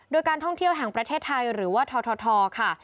โดยการท่องเที่ยวแห่งประเทศไทยหรือว่าททค่ะ